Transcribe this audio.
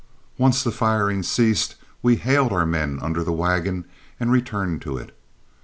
Once the firing ceased, we hailed our men under the wagon and returned to it.